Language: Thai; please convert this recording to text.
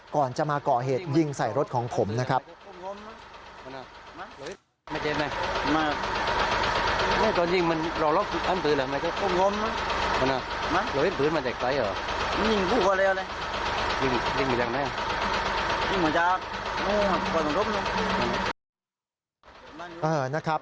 ก่อนจะมาก่อเหตุยิงใส่รถของผมนะครับ